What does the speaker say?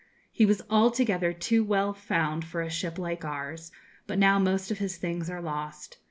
He was altogether too well found for a ship like ours, but now most of his things are lost.